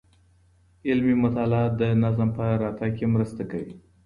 علمي مطالعه د نظم په راتګ کي مرسته کوي.